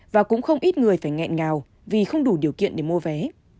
và cũng không ít người phải nghẹn ngào vì không đủ điều kiện để mua vé